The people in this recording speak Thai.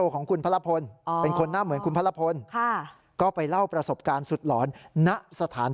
ก็คุณพระละพลนะ